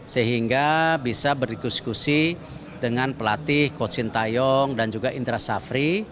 sehingga bisa berdiskusi dengan pelatih coach shin taeyong dan juga indra shafri